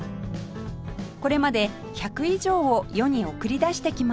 これまで１００以上を世に送り出してきました